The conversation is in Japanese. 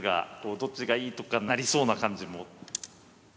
どっちがいいとかなりそうな感じも。